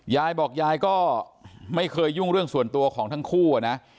ยายบอกยายก็ไม่เคยยุ่งเรื่องส่วนตัวของทั้งคู่นะ